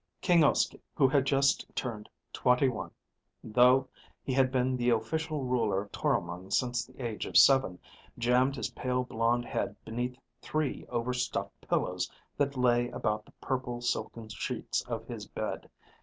King Uske, who had just turned twenty one though he had been the official ruler of Toromon since the age of seven, jammed his pale blond head beneath three over stuffed pillows that lay about the purple silken sheets of his bed.